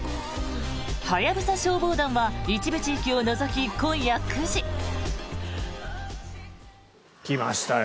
「ハヤブサ消防団」は一部地域を除き今夜９時。来ましたよ。